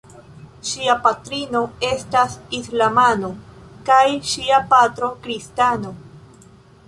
Ŝia patrino estas islamano kaj ŝia patro kristano.